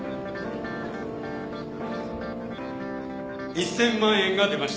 １，０００万円が出ました。